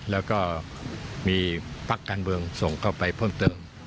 แล้วก็มีพักการเมืองส่งเข้าไปเพิ่มเติม